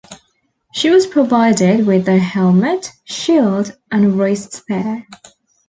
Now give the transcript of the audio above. She was provided with a helmet, shield and raised spear.